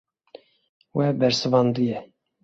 We bersivandiye.